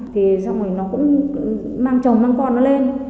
thì xong rồi nó cũng mang chồng năm con nó lên